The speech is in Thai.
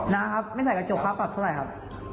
น้ำครับไม่ใส่กระจกค่าปรับเท่าไหร่ครับ